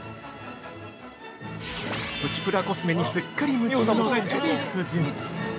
◆プチプラコスメにすっかり夢中のデヴィ夫人。